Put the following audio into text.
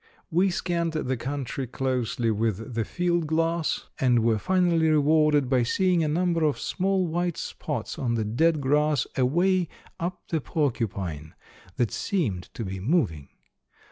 We scanned the country closely with the field glass and were finally rewarded by seeing a number of small white spots on the dead grass away up the Porcupine, that seemed to be moving.